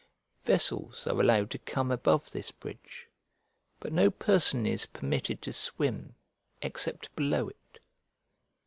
Vessels are allowed to come above this bridge, but no person is permitted to swim except below it.